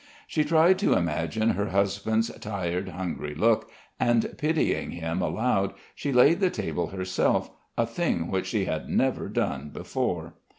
She tried to imagine her husband's tired, hungry look, and pitying him aloud, she laid the table herself, a thing which she had never done before.